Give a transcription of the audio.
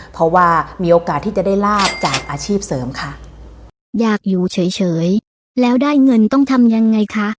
เพราะว่ามีโอกาสที่จะได้ลาบจากอาชีพเสริมค่ะ